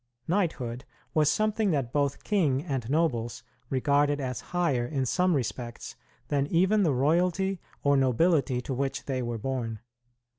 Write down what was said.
Knighthood was something that both king and nobles regarded as higher in some respects than even the royalty or nobility to which they were born.